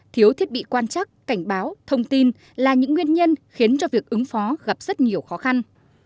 thiếu thiết bị quan chắc cảnh báo thông tin là những nguyên nhân khiến cho việc ứng phó gặp rất nhiều khó khăn